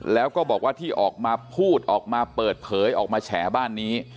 แล้วก็บอกว่าที่ออกมาพูดออกมาเปิดเผยออกมาแฉบ้านนี้